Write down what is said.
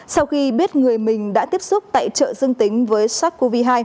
sau khi biết người mình đã tiếp xúc tại chợ dương tính với sars cov hai